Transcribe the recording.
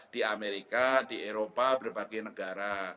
di amerika di eropa berbagai negara